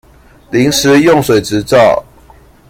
臨時用水執照